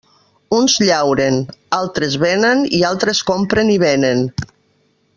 Uns llauren, altres venen i altres compren i venen.